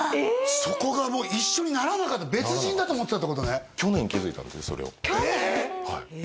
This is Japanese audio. そこがもう一緒にならなかった別人だと思ってたってことね去年気づいたんですってそれを去年！？